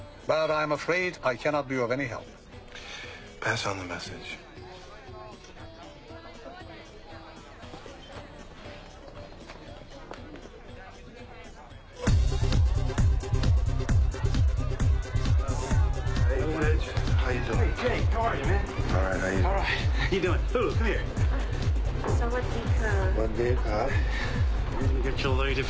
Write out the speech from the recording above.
はい。